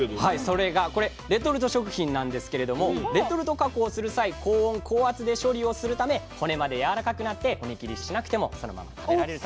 それがこれレトルト食品なんですけれどもレトルト加工をする際「高温高圧」で処理をするため骨までやわらかくなって骨切りしなくてもそのまま食べられると。